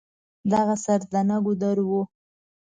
دغه سردنه ګودر و.